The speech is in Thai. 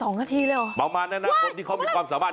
๑๒นาทีเลยเหรอว้ายมาเร็วออกมาเร็วมามาน่ะที่เขามีความสามารถ